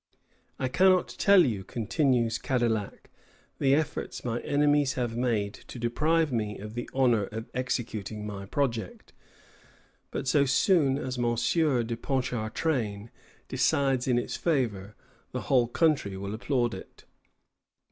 "I cannot tell you," continues Cadillac, "the efforts my enemies have made to deprive me of the honor of executing my project; but so soon as M. de Ponchartrain decides in its favor, the whole country will applaud it."